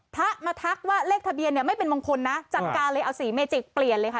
พระมาทักว่าเลขทะเบียนเนี่ยไม่เป็นมงคลนะจัดการเลยเอาสีเมจิกเปลี่ยนเลยค่ะ